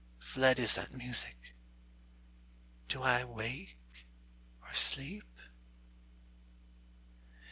Fled is that music: do I wake or sleep?